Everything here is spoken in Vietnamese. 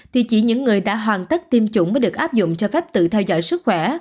thì chỉ những người đã hoàn tất tiêm chủng mới được áp dụng cho phép tự theo dõi sức khỏe